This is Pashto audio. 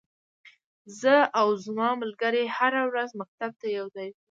زه او ځما ملګری هره ورځ مکتب ته یوځای زو.